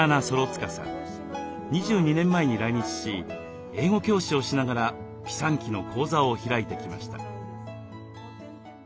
２２年前に来日し英語教師をしながらピサンキの講座を開いてきました。